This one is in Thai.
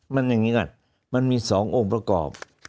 มันอย่างนี้ก่อนมันมี๒องค์ประกอบ